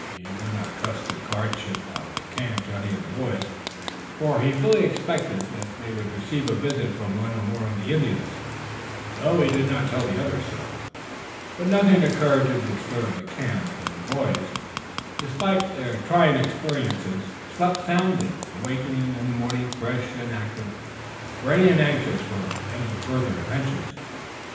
He would not trust the guardianship of the camp to any of the boys, for he fully expected that they would receive a visit from one or more of the Indians, though he did not tell the others so. But nothing occurred to disturb the camp, and the boys, despite their trying experiences, slept soundly, awakening in the morning fresh and active, ready and anxious for any further adventures.